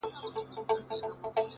o ه زه د دوو مئينو زړو بړاس يمه؛